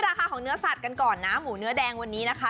ราคาของเนื้อสัตว์กันก่อนนะหมูเนื้อแดงวันนี้นะคะ